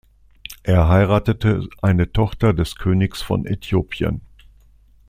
Er heiratete eine Tochter des Königs von Äthiopien.